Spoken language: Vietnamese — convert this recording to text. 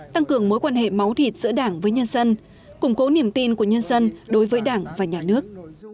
tăng cường mối quan hệ máu thịt giữa đảng với nhân dân củng cố niềm tin của nhân dân đối với đảng và nhà nước